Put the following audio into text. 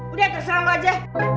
udah terserah lo aja